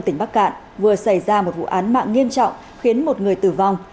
tỉnh bắc cạn vừa xảy ra một vụ án mạng nghiêm trọng khiến một người tử vong